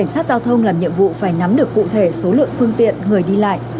cảnh sát giao thông làm nhiệm vụ phải nắm được cụ thể số lượng phương tiện người đi lại